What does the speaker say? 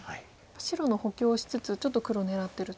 白の補強をしつつちょっと黒を狙ってると。